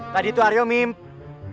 tadi tuh aryo mimpi